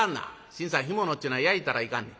信さん干物っちゅうのは焼いたらいかんねん。